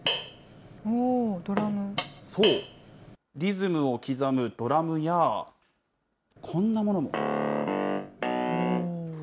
そう、リズムを刻むドラムや、こんなものも。